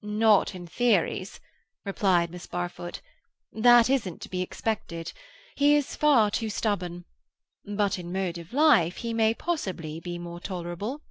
"Not in theories," replied Miss Barfoot. "That isn't to be expected. He is far too stubborn. But in mode of life he may possibly be more tolerable."